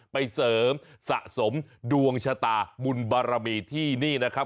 ไปเสริมสะสมดวงชะตาบุญบารมีที่นี่นะครับ